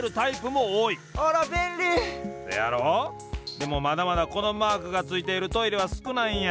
でもまだまだこのマークがついているトイレはすくないんや。